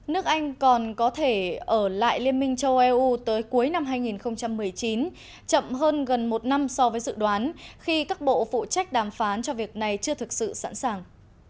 nước anh còn có thể ở lại liên minh châu âu tới cuối năm hai nghìn một mươi chín chậm hơn gần một năm so với dự đoán khi các bộ phụ trách đàm phán cho việc này chưa thực sự sẵn sàng